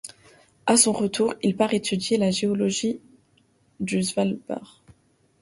À son retour, il part étudier la géologie du Svalbard.